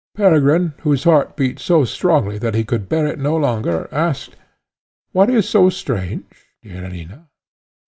Peregrine, whose heart beat so strongly that he could bear it no longer, asked, "What is so strange, dear Alina?"